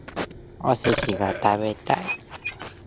お寿司が食べたい